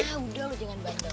udah lo jangan banteng